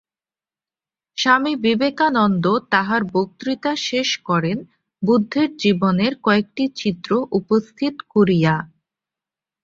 স্বামী বিবেকানন্দ তাঁহার বক্তৃতা শেষ করেন বুদ্ধের জীবনের কয়েকটি চিত্র উপস্থিত করিয়া।